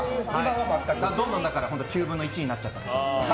どんどん９分の１になっちゃった。